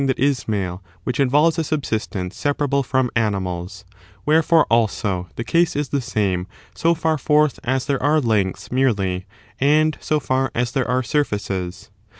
™ that is male, which involves a subsistence separ able from animals : wherefore, also, the case is the same so for forth as there are lengths merely, and so &r as there are sur&ces.